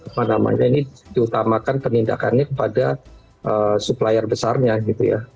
apa namanya ini diutamakan penindakannya kepada supplier besarnya gitu ya